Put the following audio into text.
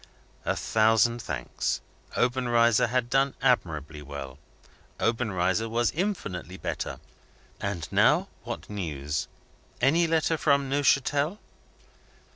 A thousand thanks. Obenreizer had done admirably well; Obenreizer was infinitely better. And now, what news? Any letter from Neuchatel?